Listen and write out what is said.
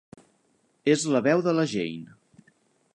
És la veu de la Jane.